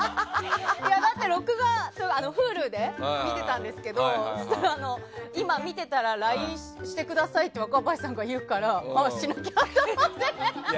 だって録画Ｈｕｌｕで見てたんですけどそしたら今、見ていたらＬＩＮＥをしてくださいって若林さんが言うからあ、しなきゃって思って。